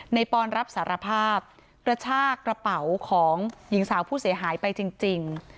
ปอนรับสารภาพกระชากระเป๋าของหญิงสาวผู้เสียหายไปจริง